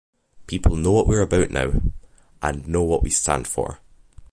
People know what we’re about now and know what we stand for.